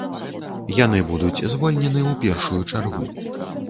Яны будуць звольнены ў першую чаргу.